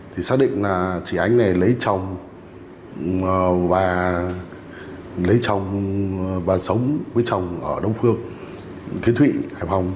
thì xác định là chị ánh này lấy chồng và sống với chồng ở đông phương kiến thụy hải phòng